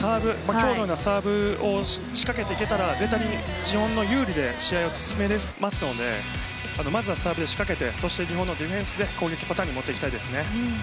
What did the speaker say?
今日のようなサーブを仕掛けていけたら全体的に日本の有利で試合を進められますのでまずはサーブで仕掛けて日本のディフェンスで攻撃パターンに持っていきたいです。